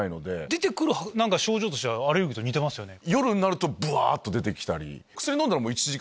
出てくる症状としてはアレルギーと似てますよね。